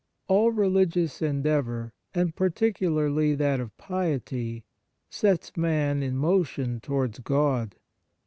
All religious endeavour, and par ticularly that of piety, sets man in motion towards God.